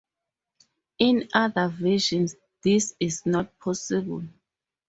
In other versions this is not possible.